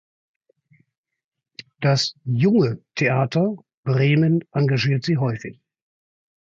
Das Junge Theater Bremen engagiert sie häufig.